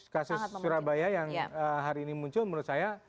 kasus surabaya yang hari ini muncul menurut saya